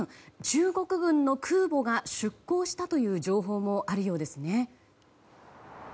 中国軍の空母が出航したという情報もあるようですね。